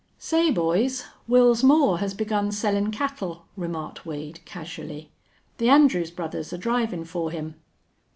"Say, boys, Wils Moore has begun sellin' cattle," remarked Wade, casually. "The Andrews brothers are drivin' for him."